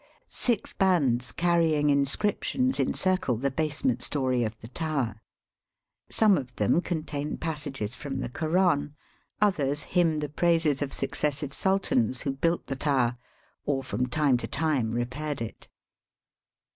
Six bands carrying inscriptions encircle the basement story of the tower. Some of them contain passages firom the Koran, others hymn the praises of successive sultans who built the tower or from time to time repaired it.